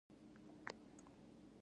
د اوبو کیمیاوي فارمول ایچ دوه او دی.